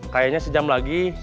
kayaknya sejam lagi